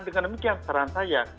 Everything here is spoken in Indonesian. dengan demikian saran saya